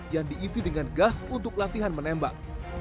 yang diisi dengan gas untuk latihan menembak